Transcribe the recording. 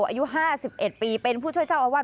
อายุ๕๑ปีเป็นผู้ช่วยเจ้าอาวาส